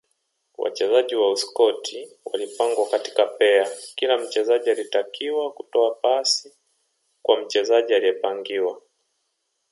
Wachezaji wa Uskoti walipangwa katika pea kila mchezaji alitakiwa kutoa pasi kwa mchezaji aliyepangiwa